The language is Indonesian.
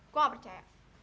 gue gak percaya